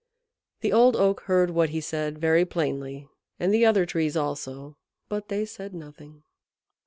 The Old Oak heard what he said very plainly, and the other Trees also; but they said nothing.